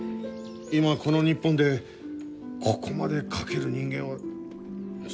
今この日本でここまで描ける人間は。